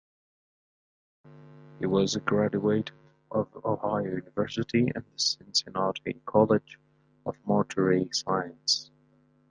He was a graduate of Ohio University and the Cincinnati College of Mortuary Science.